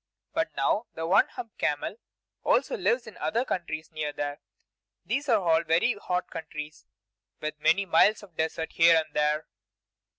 But now the One Hump camel also lives in other countries near there. These are all very hot countries, with many miles of desert here and there.